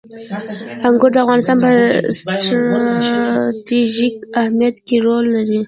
انګور د افغانستان په ستراتیژیک اهمیت کې رول لري.